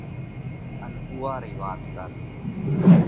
ان اُوئا رئي وات ڪرئھ۔